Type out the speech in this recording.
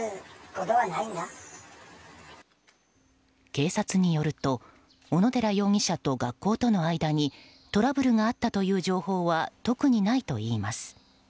警察によると小野寺容疑者と学校との間にトラブルがあったという情報は特にないといいます。